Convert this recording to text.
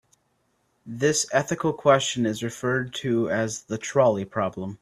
This ethical question is referred to as the trolley problem.